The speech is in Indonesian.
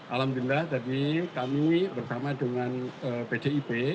alhamdulillah tadi kami bersama dengan pdip